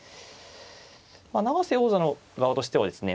永瀬王座の側としてはですね